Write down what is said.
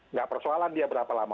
nggak persoalan dia berapa lama